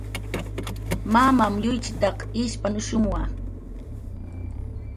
Mamam yuychitaq ishpanushumwa